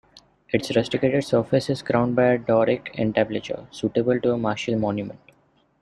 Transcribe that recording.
Its rusticated surface is crowned by a Doric entablature, suitable to a martial monument.